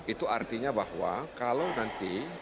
itu artinya bahwa kalau nanti